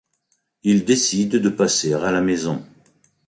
Il décide de passer à la maison.